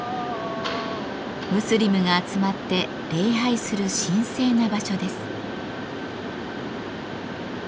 ムスリムが集まって礼拝する神聖な場所です。